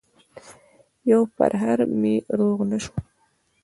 يو پرهر مې روغ نه شو